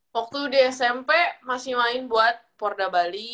waktu di smp masih main buat porda bali